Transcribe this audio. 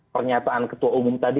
pernyataan ketua umum tadi